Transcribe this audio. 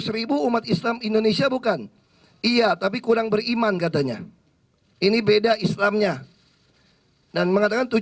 seribu umat islam indonesia bukan iya tapi kurang beriman katanya ini beda islamnya dan mengatakan